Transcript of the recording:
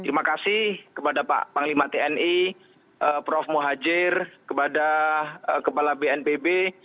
terima kasih kepada pak panglima tni prof muhajir kepada kepala bnpb